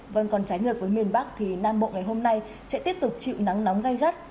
vâng còn trái ngược với miền bắc thì nam bộ ngày hôm nay sẽ tiếp tục chịu nắng nóng gai gắt